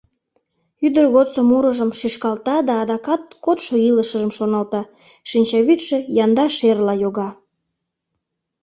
Ӱдыр годсо мурыжым шӱшкалта да адакат кодшо илышыжым шоналта, шинчавӱдшӧ янда шерла йога.